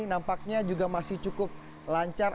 nampaknya juga masih cukup lancar